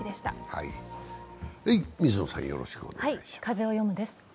「風をよむ」です。